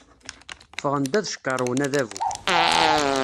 Ffɣen-d ad cqirrwen Adabu.